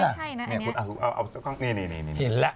มันไม่ใช่นะอันเนี้ย